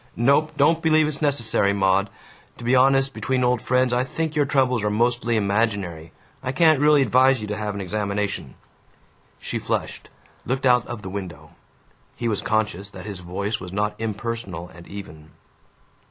"Nope. Don't believe it's necessary, Maud. To be honest, between old friends, I think your troubles are mostly imaginary. I can't really advise you to have an examination." She flushed, looked out of the window. He was conscious that his voice was not impersonal and even.